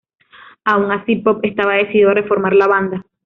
Aun así, Pop estaba decidido a reformar la banda.